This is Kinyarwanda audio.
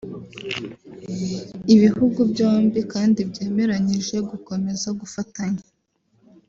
Ibihugu byombi kandi byemeranyije gukomeza gufatanya